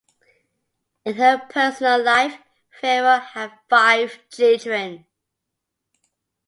In her personal life Fierro had five children.